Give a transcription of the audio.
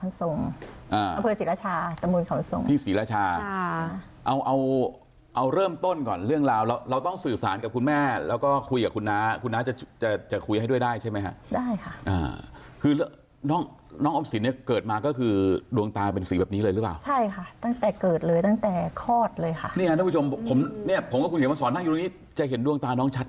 เอาเอาเอาเริ่มต้นก่อนเรื่องราวเราเราต้องสื่อสารกับคุณแม่แล้วก็คุยกับคุณน้าคุณน้าจะจะจะคุยให้ด้วยได้ใช่ไหมค่ะได้ค่ะอ่าคือน้องน้องออมศิลป์เนี้ยเกิดมาก็คือดวงตาเป็นสีแบบนี้เลยหรือเปล่าใช่ค่ะตั้งแต่เกิดเลยตั้งแต่คลอดเลยค่ะนี่ค่ะท่านผู้ชมผมเนี้ยผมก็คุณเห็นมาสอนนั่งอยู่ตรงนี้จะเห็นดวงต